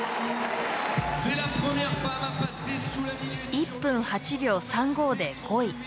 １分８秒３５で５位。